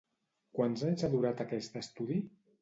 Quants anys ha durat aquest estudi?